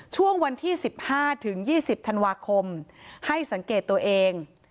ช่วงวันที่๑๕๒๐ธันวาคมให้สังเกตตัวเอง